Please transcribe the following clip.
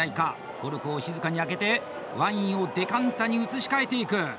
コルクを静かに開けて、ワインをデカンタに移し替えていく！